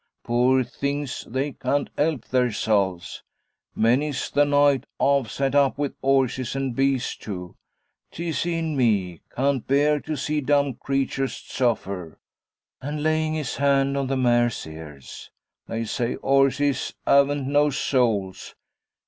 Poor things they can't 'elp theirzelves. Many's the naight ah've zat up with 'orses and beasts tu. 'T es en me can't bear to zee dumb creatures zuffer.' And laying his hand on the mare's ears, 'They zay 'orses 'aven't no souls.